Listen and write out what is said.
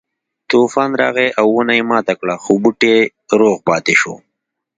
طوفان راغی او ونه یې ماته کړه خو بوټی روغ پاتې شو.